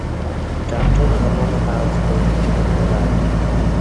ډاکټر غرمه مهال خپل کلینیک ته لاړ.